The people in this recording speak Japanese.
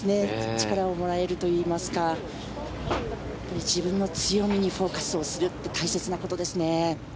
力をもらえるといいますか自分の強みにフォーカスするって大切なことですね。